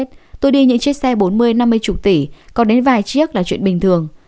tôi đi những chiếc xe bốn mươi năm mươi tỷ còn đến vài chiếc là chuyện bình thường